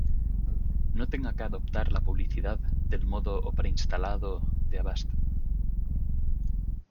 No tenga que adoptar la publicidad del modo o pre-instalado de Avast!